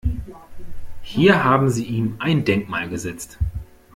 Hier haben Sie ihm ein Denkmal gesetzt.